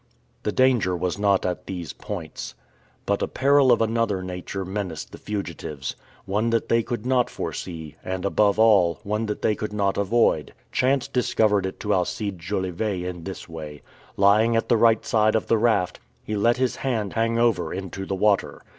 The danger was not at these points. But a peril of another nature menaced the fugitives. One that they could not foresee, and, above all, one that they could not avoid. Chance discovered it to Alcide Jolivet in this way: Lying at the right side of the raft, he let his hand hang over into the water.